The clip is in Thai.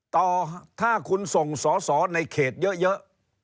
ต่อถ้าคุณส่งสอสอในเขตเยอะ